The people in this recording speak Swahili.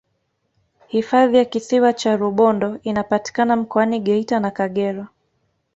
hifadhi ya kisiwa cha rubondo inapatikana mkoani geita na kagera